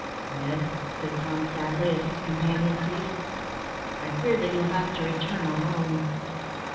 "Ned," said Tom, sadly, as his companion ceased, "I fear that you'll have to return alone."